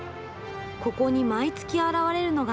ここに毎月現れるのが。